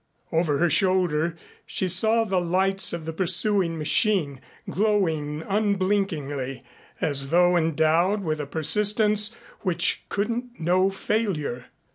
Over her shoulder she saw the lights of the pursuing machine, glowing unblinkingly as though endowed with a persistence which couldn't know failure.